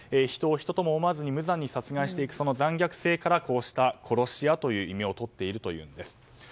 人を人と思わずに殺していくその残虐性からこうした殺し屋という異名をとっているというんです。